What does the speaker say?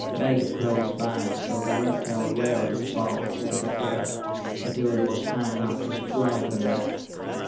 Betty, close by, saw the reptile rear its bulk up into the air, until it was high enough to strike the man.